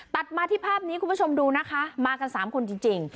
มาที่ภาพนี้คุณผู้ชมดูนะคะมากัน๓คนจริง